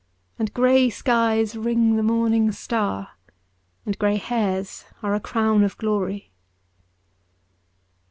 And grey skies ring the morning star, And grey hairs are a crown of glory.